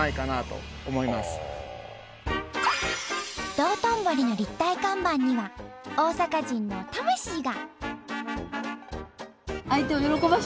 道頓堀の立体看板には大阪人の魂が。